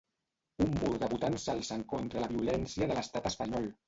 Un mur de votants s'alcen contra la violència de l'estat espanyol.